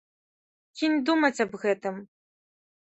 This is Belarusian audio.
Кінь думаць аб гэтым.